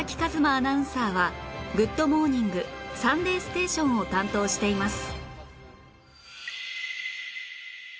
アナウンサーは『グッド！モーニング』『サンデーステーション』を担当しています